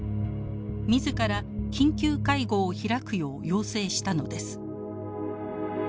自ら緊急会合を開くよう要請したのです。